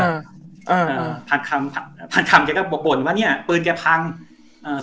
เอ่อเอ่อพันคำพันคำแกก็มาบ่นว่าเนี้ยปืนแกพังเอ่อ